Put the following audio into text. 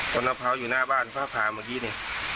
มะพร้าวอยู่หน้าบ้านฟ้าผ่าเมื่อกี้เนี่ย